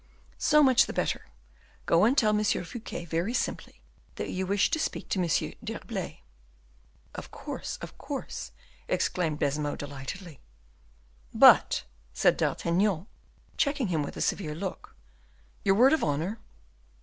"So much the better. Go and tell M. Fouquet very simply that you wish to speak to M. d'Herblay." "Of course, of course," exclaimed Baisemeaux, delightedly. "But," said D'Artagnan, checking him by a severe look, "your word of honor?"